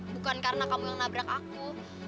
bukan karena kamu yang nabrak aku